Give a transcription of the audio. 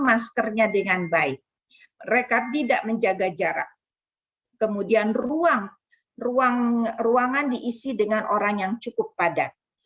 maskernya dengan baik rekat tidak menjaga jarak kemudian ruang ruangan diisi dengan orang yang cukup padat